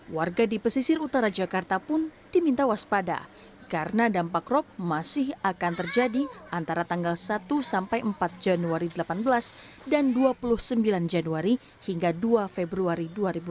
warga di pesisir utara jakarta pun diminta waspada karena dampak rop masih akan terjadi antara tanggal satu sampai empat januari delapan belas dan dua puluh sembilan januari hingga dua februari dua ribu delapan belas